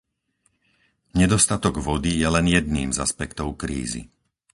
Nedostatok vody je len jedným z aspektov krízy.